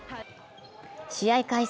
試合開始